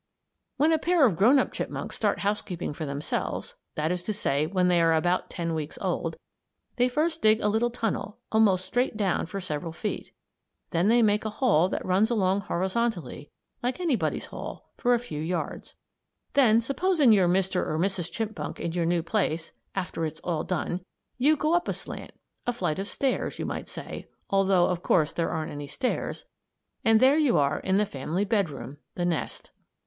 When a pair of grown up chipmunks start housekeeping for themselves that is to say when they are about ten weeks old they first dig a little tunnel, almost straight down for several feet. Then they make a hall that runs along horizontally like anybody's hall for a few yards. Then, supposing you're Mr. or Mrs. Chipmunk in your new place, after it's all done you go up a slant a flight of stairs, you might say, although, of course, there aren't any stairs and there you are in the family bedroom, the nest.